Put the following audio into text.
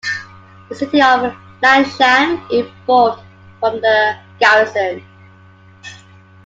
The city of Liangshan evolved from the garrison.